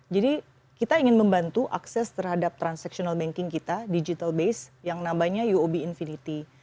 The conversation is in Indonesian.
jadi kita ingin membantu akses terhadap transaksional banking kita digital base yang namanya uob infinity